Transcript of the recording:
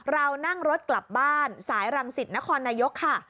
เรานั่งรถกลับบ้านสายรังสิตนครนายกค่ะ